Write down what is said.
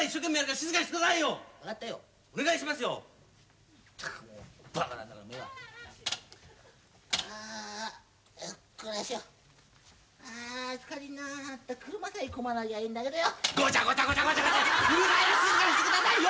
静かにしてくださいよ！